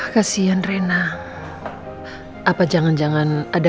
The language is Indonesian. kasian rena apa jangan jangan ada